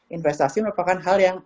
investasi merupakan hal yang